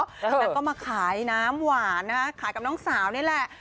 แล้วก็มาขายน้ำหวานนะคะขายกับน้องสาวนี่แหละ